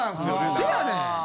せやねん。